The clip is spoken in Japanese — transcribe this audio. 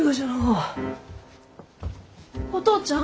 お父ちゃん？